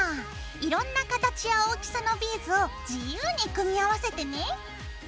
いろんな形や大きさのビーズを自由に組み合わせてね！